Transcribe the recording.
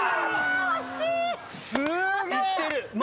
惜しい！